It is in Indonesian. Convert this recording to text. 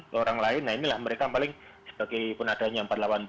ke orang lain nah inilah mereka paling sebagai penadanya empat ratus delapan puluh